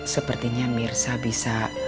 sepertinya mirza bisa